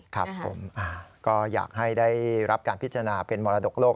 ครับผมก็อยากให้ได้รับการพิจารณาเป็นมรดกโลก